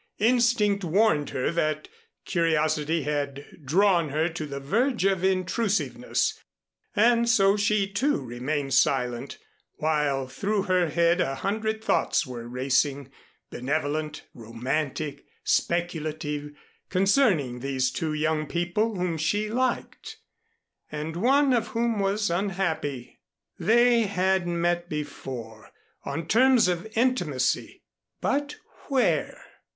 Instinct warned her that curiosity had drawn her to the verge of intrusiveness, and so she, too, remained silent while through her head a hundred thoughts were racing benevolent, romantic, speculative, concerning these two young people whom she liked and one of whom was unhappy. They had met before, on terms of intimacy, but where?